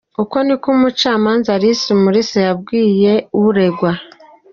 Uko ni ko umucamanza Alice umulisa yabwiye uregwa.